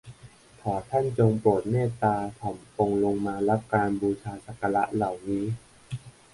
ขอท่านจงโปรดเมตตาถ่อมองค์ลงมารับการบูชาสักการะเหล่านี้